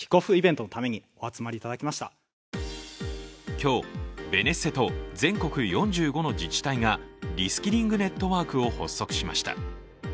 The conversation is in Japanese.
今日、ベネッセと全国４５の自治体がリスキリングネットワークを発足しました。